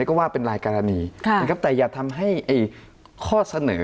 ก็ว่าเป็นรายกรณีนะครับแต่อย่าทำให้ข้อเสนอ